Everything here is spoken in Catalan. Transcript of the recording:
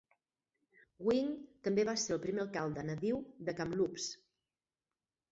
Wing també va ser el primer alcalde nadiu de Kamloops.